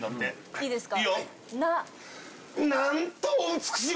いいですか？